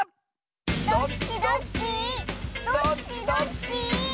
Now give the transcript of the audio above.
どっちどっちどっちどっち。